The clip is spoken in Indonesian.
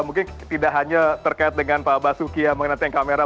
mungkin tidak hanya terkait dengan pak basuki yang mengenai tank kamera